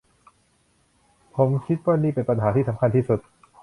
ผมคิดว่านี่เป็นปัญหาที่สำคัญที่สุด